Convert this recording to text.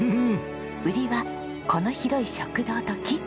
売りはこの広い食堂とキッチン。